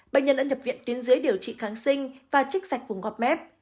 bệnh nhân đã nhập viện tuyến dưới điều trị kháng sinh và trích sạch vùng ngọt mép